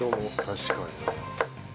確かにな。